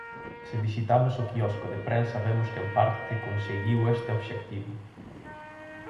Se visitamos o quiosco de prensa vemos que en parte conseguiu este obxectivo.